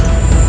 itu jadi apa